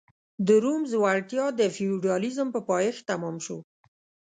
د روم ځوړتیا د فیوډالېزم په پایښت تمام شو